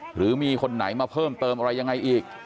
หรือมีคนไหนมาเพิ่มเติมอะไรยังไงอีก